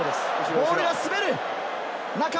ボールが滑る。